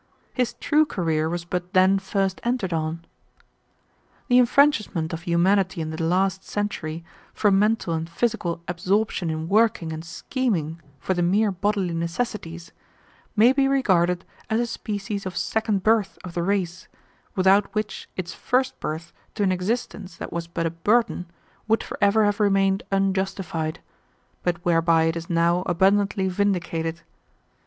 His true career was but then first entered on. The enfranchisement of humanity in the last century, from mental and physical absorption in working and scheming for the mere bodily necessities, may be regarded as a species of second birth of the race, without which its first birth to an existence that was but a burden would forever have remained unjustified, but whereby it is now abundantly vindicated.